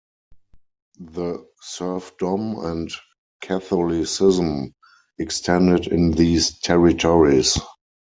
The serfdom and Catholicism extended in these territories.